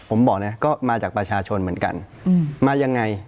ผมบอกนะก็มาจากประชาชนเหมือนกันมายังไง